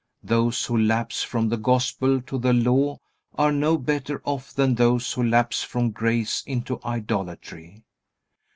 Those who lapse from the Gospel to the Law are no better off than those who lapse from grace into idolatry.